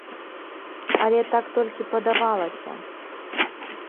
Але так толькі падавалася.